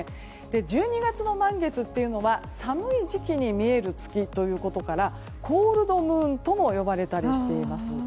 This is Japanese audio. １２月の満月というのは寒い時期に見える月ということからコールドムーンとも呼ばれたりしています。